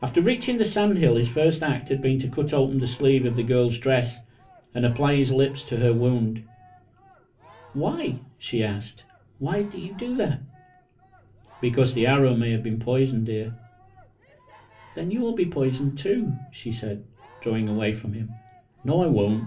After reaching the sand hill, his first act had been to cut open the sleeve of the girl's dress and apply his lips to her wound. "Why?" she asked. "Why do you do that?" "Because the arrow may have been poisoned, dear." "Then you'll be poisoned, too," she said, drawing away from him. "No, I won't."